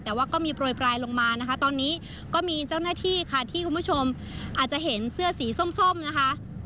แต่ว่าก็มีโปรยปลายลงมานะคะตอนนี้ก็มีเจ้าหน้าที่ค่ะที่คุณผู้ชมอาจจะเห็นเสื้อสีส้มนะคะ